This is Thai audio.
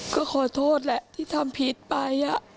ก็ขอโทษแหละที่ทำผิดไป